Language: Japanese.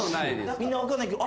みんな分かんないけど。